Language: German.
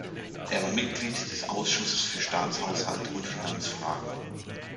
Er war Mitglied des Ausschusses für Staatshaushalt und Finanzfragen.